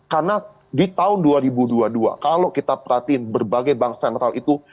karena di tahun dua ribu dua puluh dua kalau kita perhatiin berbagai bank sentral itu